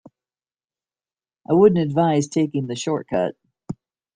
I wouldn't advise taking the shortcut